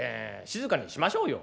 静かにしましょうよ」。